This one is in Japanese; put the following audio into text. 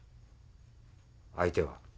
相手は。